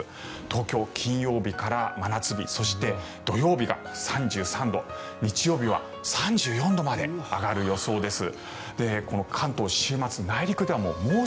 東京、金曜日から真夏日そして土曜日が３３度日曜日は３４度まで上がる予想です。